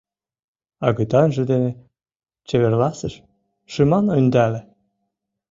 Агытанже дене чеверласыш, шыман ӧндале.